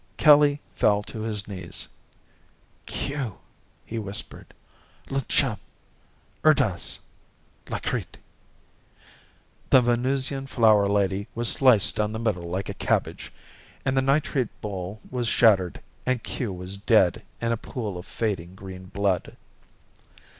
Kelly fell to his knees. "Kew," he whispered. "Lljub, Urdaz Lakrit...." The Venusian flower lady was sliced down the middle like a cabbage, and the nitrate bowl was shattered and Kew was dead in a pool of fading green blood.